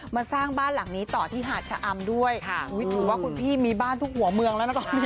มาสร้างบ้านหลังนี้ต่อที่หาดชะอำด้วยถือว่าคุณพี่มีบ้านทุกหัวเมืองแล้วนะตอนนี้